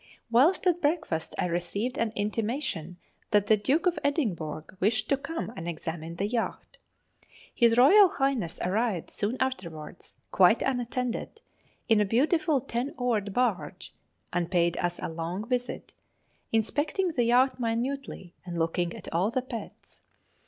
Whilst at breakfast I received an intimation that the Duke of Edinburgh wished to come and examine the yacht. His Royal Highness arrived soon afterwards, quite unattended, in a beautiful ten oared barge, and paid us a long, visit, inspecting the yacht minutely and looking at all the pets.